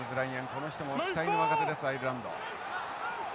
この人も期待の若手ですアイルランド。